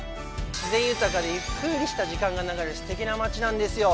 自然豊かでゆっくりした時間が流れるすてきな街なんですよ。